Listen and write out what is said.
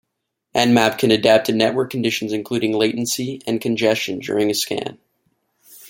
Nmap can adapt to network conditions including latency and congestion during a scan.